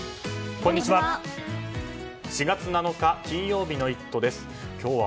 こんにちは。